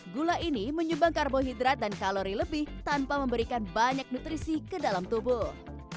gula ini menyumbang karbohidrat dan kalori lebih tanpa memberikan banyak nutrisi ke dalam tubuh